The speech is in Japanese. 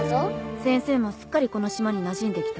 先生もすっかりこの島になじんできたわね。